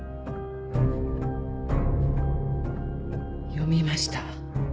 読みました。